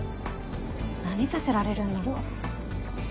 何させられるんだろう。